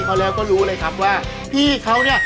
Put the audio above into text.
เขาแล้วก็รู้เลยครับว่าพี่เขาเนี่ย